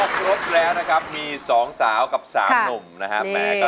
ก็รถแลนะครับมีสองสาวกับสามหนุ่มนะครับ